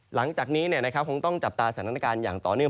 หลังจากนี้เนี่ยนะครับคงต้องจับตาสถานการณ์อย่างต่อหนึ่ง